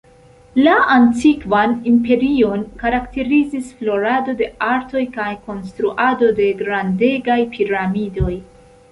La Antikvan Imperion karakterizis florado de artoj kaj konstruado de grandegaj piramidoj.